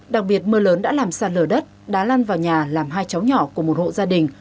đặc biệt mưa lớn đã làm sạt lở đất đá lăn vào nhà làm hai cháu nhỏ của một hộ gia đình